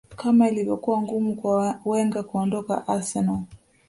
kama ilivyokuwa ngumu kwa wenger kuondoka arsenal